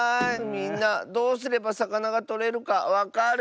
みんなどうすればさかながとれるかわかる？